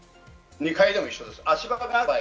２階でも一緒です。